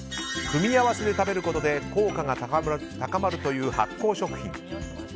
組み合わせて食べることで効果が高まるという発酵食品。